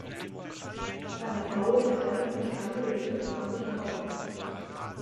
Einer Frau, die Freitags nicht kann, würde ich als Mann nicht trauen.